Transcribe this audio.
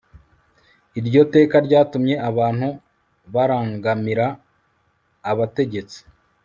iryo teka ryatumye abantu barangamira abategetsi